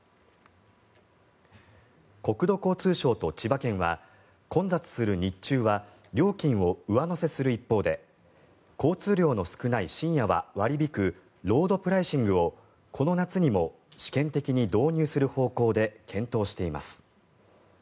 国土交通省と千葉県は混雑する日中は料金を上乗せする一方で交通量の少ない深夜は割り引くロードプライシングをこの夏にも試験的に導入する方向で検討しています。